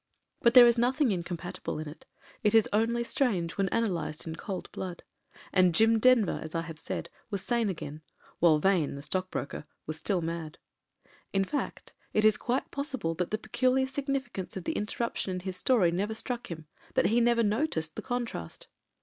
But there is nothing incompatible in it: it is only strange when analysed in cold blood. And Jim Den ver, as I have said, was sane again: while Vane, the stockbroker, was still mad. In fact, it is quite possible that the peculiar signifi cance of the interruption in his story never struck him : that he never noticed the Contrast.